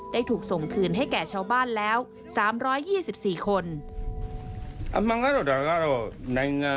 ได้ถูกส่งคืนให้แก่ชาวบ้านแล้ว๓๒๔คน